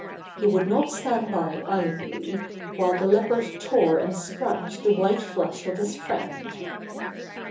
He would not stand by idly while the Leopard tore and scratched the white flesh of his friend.